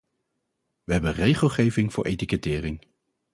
We hebben regelgeving voor etikettering.